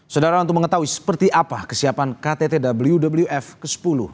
saudara untuk mengetahui seperti apa kesiapan kttwf ke sepuluh